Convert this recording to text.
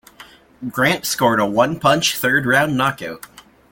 Grant scored a one-punch third-round knockout.